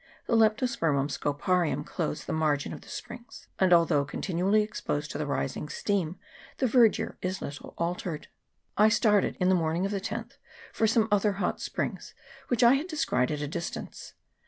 The Leptospermum scoparium 328 BOILING MUD PONDS. [PART II. clothes the margin of the springs ; and although continually exposed to the rising steam, the verdure is little altered. I started in the morning of the 10th for some other hot springs which I had descried at a dis tance.